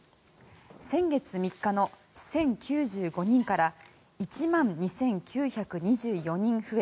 先月３日の１０９５人から１万２１９４人増え